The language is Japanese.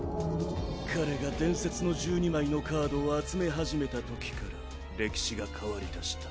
彼が伝説の１２枚のカードを集め始めたときから歴史が変わりだした。